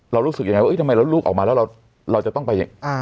รู้สึกยังไงว่าทำไมแล้วลูกออกมาแล้วเราจะต้องไป